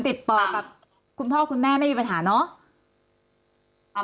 ติดต่อกับคุณพ่อคุณแม่ไม่มีปัญหาเนอะ